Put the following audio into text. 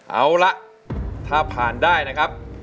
เอาละถ้าผ่านได้นะครับ